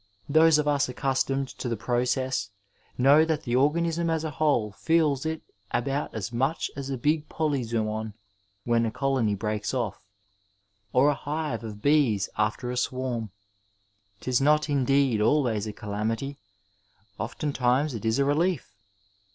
Those of us accustomed to the process know that the organism as a whole feels it about as much as a big polyzoon when a colony breaks off, or a hive of bees after a swarm — ^'tis not indeed always a calamity, oftentimes it is a relief.